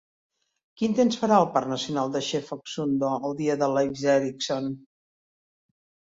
Quin temps farà al parc nacional de Sche-Phoksundo el dia de Leif Erikson?